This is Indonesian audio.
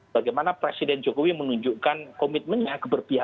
bagaimana presiden jokowi menunjukkan komitmennya